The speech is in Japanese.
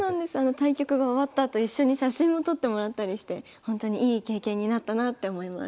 対局が終わったあと一緒に写真も撮ってもらったりしてほんとにいい経験になったなって思います。